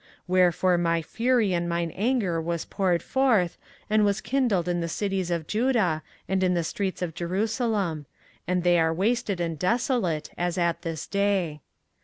24:044:006 Wherefore my fury and mine anger was poured forth, and was kindled in the cities of Judah and in the streets of Jerusalem; and they are wasted and desolate, as at this day.